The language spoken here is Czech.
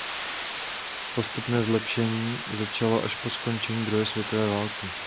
Postupné zlepšení začalo až po skončení druhé světové války.